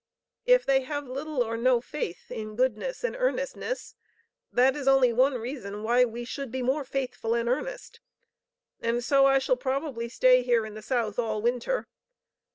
If they have little or no faith in goodness and earnestness, that is only one reason why we should be more faithful and earnest, and so I shall probably stay here in the South all winter.